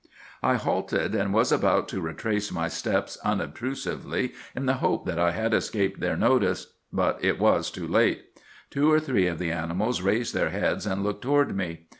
"I halted, and was about to retrace my steps unobtrusively, in the hope that I had escaped their notice. But it was too late. Two or three of the animals raised their heads and looked toward me.